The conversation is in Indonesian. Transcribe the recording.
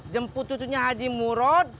jemput cucunya haji murad